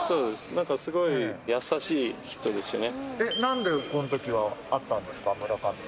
何かすごい優しい人ですよね。